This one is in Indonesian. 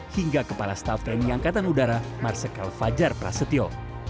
hingga kepala staff tni angkatan udara marsikal fajar prasetyo